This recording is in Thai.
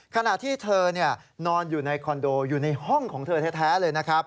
ขณะที่เธอนอนอยู่ในคอนโดอยู่ในห้องของเธอแท้เลยนะครับ